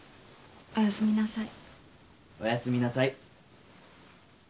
おやすみなさい。